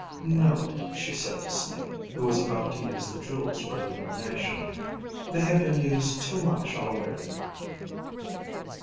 "No," she said to Snake, who was about to use the jewels for illumination. "They have been used too much already."